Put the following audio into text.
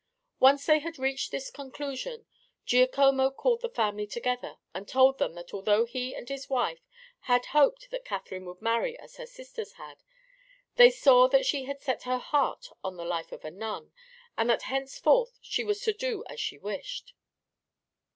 Once they had reached this conclusion Giacomo called the family together and told them that although he and his wife had hoped that Catherine would marry as her sisters had, they saw that she had set her heart on the life of a nun, and that henceforth she was to do as she wished.